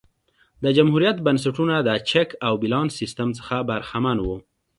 د جمهوریت بنسټونه د چک او بیلانس سیستم څخه برخمن وو